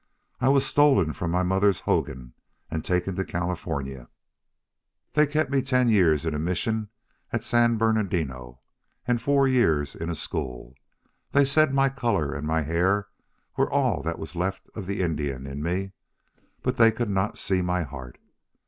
"I was stolen from my mother's hogan and taken to California. They kept me ten years in a mission at San Bernardino and four years in a school. They said my color and my hair were all that was left of the Indian in me. But they could not see my heart.